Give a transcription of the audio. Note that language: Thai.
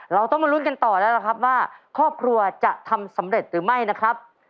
เราต้องมาลุ้นกันต่อแล้วนะครับว่าครอบครัวจะทำสำเร็จหรือไม่นะครับ